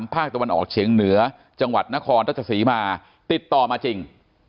ภาคตะวันออกเฉียงเหนือจังหวัดนครราชสีมาติดต่อมาจริง